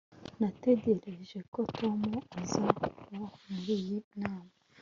natekereje ko tom azaba muri iyi nama